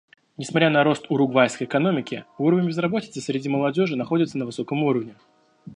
Несмотря на рост уругвайской экономики, уровень безработицы среди молодежи находится на высоком уровне.